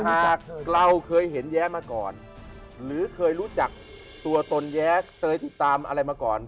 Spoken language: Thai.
หากเราเคยเห็นแย้มาก่อนหรือเคยรู้จักตัวตนแย้เคยติดตามอะไรมาก่อน